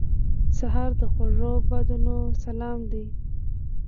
سهار د خوږو بادونو سلام دی.